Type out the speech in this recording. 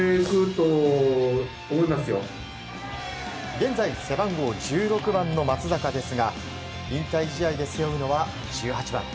現在、背番号１６の松坂ですが引退試合で背負うのは１８番。